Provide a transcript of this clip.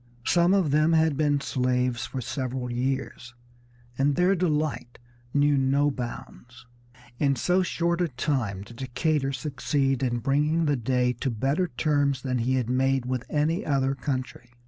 Some of them had been slaves for several years, and their delight knew no bounds. In so short a time did Decatur succeed in bringing the Dey to better terms than he had made with any other country.